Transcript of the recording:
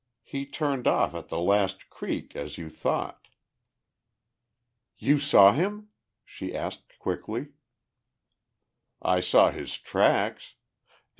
He turned off at the last creek, as you thought." "You saw him?" she asked quickly. "I saw his tracks.